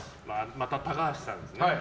また高橋さんですね。